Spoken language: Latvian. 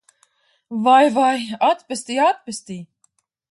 Vai, vai! Atpestī! Atpestī!